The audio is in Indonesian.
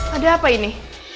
ada apa ini